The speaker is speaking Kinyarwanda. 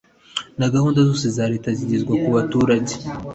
na gahunda zose za Leta zigezwa ku baturage